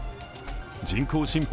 人工心肺